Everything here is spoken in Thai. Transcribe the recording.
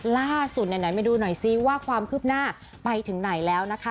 ล่าสุดไหนมาดูหน่อยซิว่าความคืบหน้าไปถึงไหนแล้วนะคะ